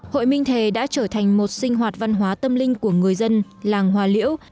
hội minh thề đã trở thành một sinh hoạt văn hóa tâm linh của người dân làng hòa liễu